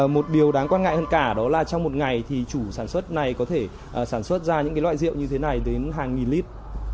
một điều đáng quan ngại hơn cả đó là trong một ngày thì chủ sản xuất này có thể sản xuất ra những loại rượu như thế này đến hàng nghìn lít